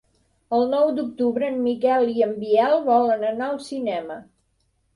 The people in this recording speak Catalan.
El nou d'octubre en Miquel i en Biel volen anar al cinema.